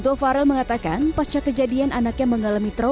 tidak ada yang mencari kemampuan untuk mengambil alihnya